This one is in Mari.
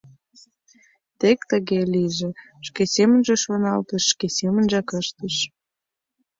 Тек тыге лийже: шке семынже шоналтыш, шке семынжак ыштыш...